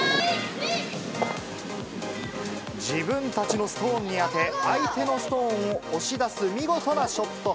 自分たちのストーンに当て、相手のストーンを押し出す見事なショット。